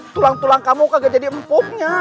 tulang tulang kamu kagak jadi empuknya